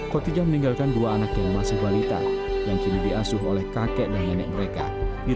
koti jah meninggalkan dua anak yang masih kualita yang kini diasuh oleh kakek dan nenek mereka di tegal